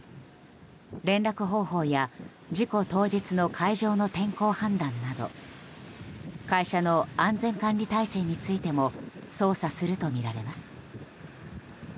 連絡方法や事故当日の海上の天候判断など会社の安全管理体制についても捜査するとみられます。